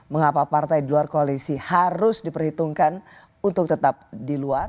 mengapa partai di luar koalisi harus diperhitungkan untuk tetap di luar